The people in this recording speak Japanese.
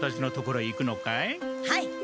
はい！